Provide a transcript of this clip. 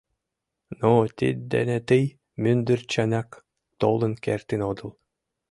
— Ну, тиддене тый мӱндырчынак толын кертын отыл…